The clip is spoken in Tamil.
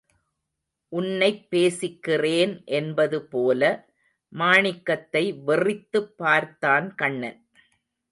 உன்னைப் பேசிக்கிறேன் என்பது போல, மாணிக்கத்தை வெறித்துப் பார்த்தான் கண்ணன்.